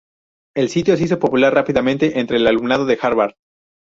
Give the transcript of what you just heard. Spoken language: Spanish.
El sitio se hizo popular rápidamente entre el alumnado de Harvard.